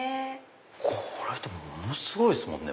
これものすごいですもんね。